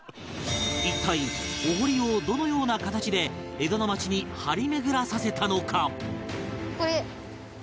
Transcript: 一体お堀をどのような形で江戸の町に張り巡らさせたのか？